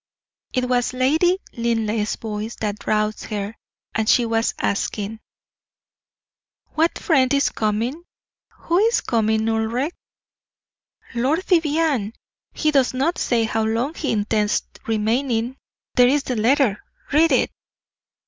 It was Lady Linleigh's voice that roused her, and she was asking: "What friend is coming who is coming, Ulric?" "Lord Vivianne he does not say how long he intends remaining. There is the letter; read it."